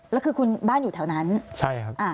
แล้วคือคุณบ้านอยู่แถวนั้นใช่ครับอ่า